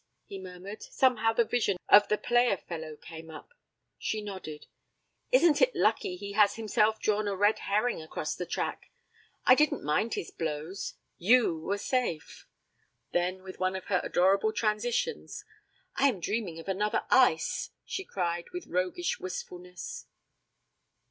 he murmured. Somehow the vision of the player fellow came up. She nodded. 'Isn't it lucky he has himself drawn a red herring across the track? I didn't mind his blows you were safe!' Then, with one of her adorable transitions, 'I am dreaming of another ice,' she cried with roguish wistfulness.